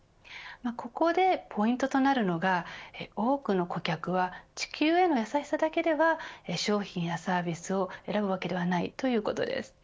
ここでポイントとなるのが多くの顧客は地球への優しさだけでは商品やサービスを選ぶわけではないということです。